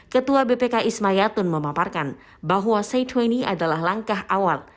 ketua bpk isma yatun memaparkan bahwa c dua puluh adalah langkah awal